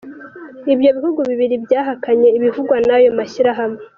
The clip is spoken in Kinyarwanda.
Ibyo bihugu bibiri byahakanye ibivugwa n’ayo mashyirahamwe.